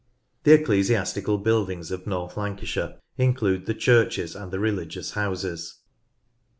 The ecclesiastical buildings of North Lancashire in clude the churches and the religious houses.